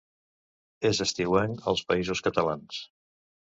És estiuenc als Països Catalans.